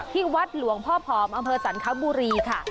ที่วัดหลวงพ่อผอมอำเภอสันคบุรีค่ะ